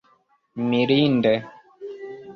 mirinde